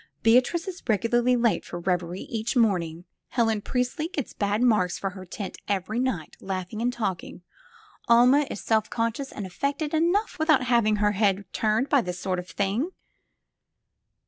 Beatrice is regularly late for reveille each morning. Helen Priestley gets a bad mark for her tent every night, laughing and talking. Alma is self con scious and affected enough without having her head turned by this sort of thing."